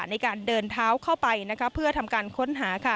ในการเดินเท้าเข้าไปเพื่อทำการค้นหา